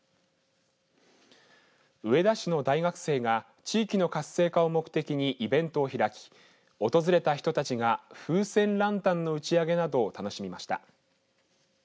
上田市の大学生が地域の活性化を目的にイベントを開き訪れた人たちが風船ランタンの打ち上げなどを楽しみました。